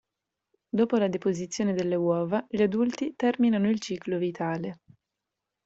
Dopo la deposizione delle uova gli adulti terminano il ciclo vitale.